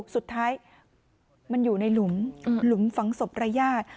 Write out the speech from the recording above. สุดท้ายมันอยู่ในหลุมหลุมฝังศพรายญาติ